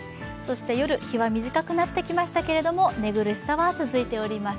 夜、日は短くなってきましたけども、寝苦しさは続いております。